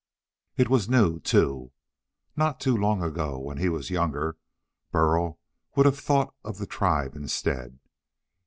It was new, too. Not too long ago, when he was younger, Burl would have thought of the tribe instead.